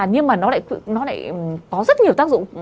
nó lại có rất nhiều tác dụng